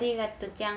ちゃん